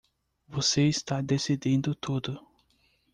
Você está decidindo tudo!